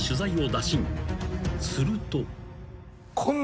［すると］